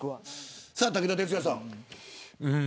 さあ、武田鉄矢さん。